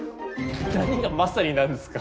何がまさになんですか。